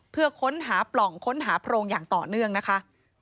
เพื่อค้นหาปล่องค้นหาโพรงอย่างต่อเนื่องนะคะ